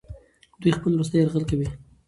دوی خپل وروستی یرغل کوي.